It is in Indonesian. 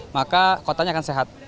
maka kotanya akan sehat